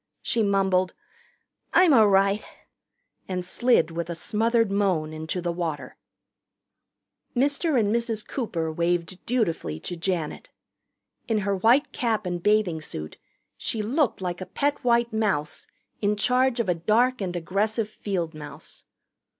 She mumbled, "I'm a' right," and slid with a smothered moan into the water. Mr. and Mrs. Cooper waved dutifully to Janet. In her white cap and bathing suit she looked like a pet white mouse in charge of a dark and aggressive field mouse.